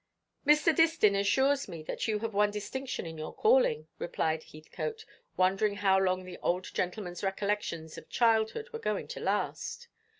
"Mr. Distin assures me that you have won distinction in your calling," replied Heathcote, wondering how long the old gentleman's recollections of childhood were going to last.